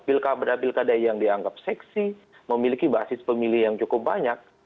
pilkada pilkada yang dianggap seksi memiliki basis pemilih yang cukup banyak